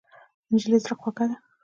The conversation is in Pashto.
نجلۍ زړه خوږه ده.